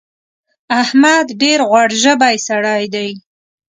احمد ډېر غوړ ژبی سړی دی.